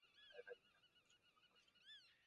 এত ভারী পোশাক পরে কাজ করতে খুব কষ্ট হয়েছে।